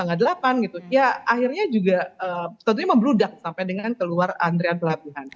ya akhirnya juga tentunya membludak sampai dengan keluar antrean pelabuhan